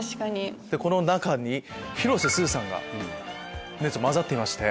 この中に広瀬すずさんが交ざっていまして。